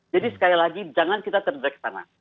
jadi sekali lagi jangan kita terdrag ke sana